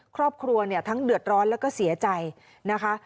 ครอบครัวเนี่ยทั้งเดือดร้อนแล้วก็เสียใจนะคะ